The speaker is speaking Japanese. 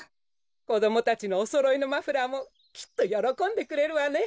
こどもたちのおそろいのマフラーもきっとよろこんでくれるわね。